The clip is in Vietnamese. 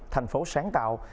thành phố sáng tạo